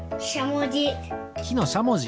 しゃもじ。